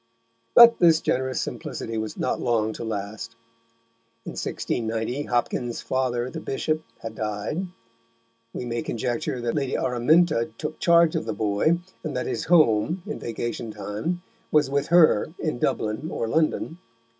But this generous simplicity was not long to last. In 1690 Hopkins's father, the Bishop, had died. We may conjecture that Lady Araminta took charge of the boy, and that his home, in vacation time, was with her in Dublin or London.